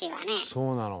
そうなの。